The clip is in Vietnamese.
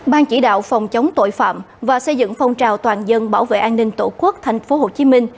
ban chỉ đạo phòng chống tội phạm và xây dựng phong trào toàn dân bảo vệ an ninh tổ quốc tp hcm